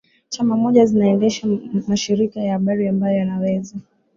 Chama moja zinaendesha mashirika ya habari ambayo yanaweza